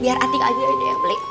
biar atika aja aja yang beli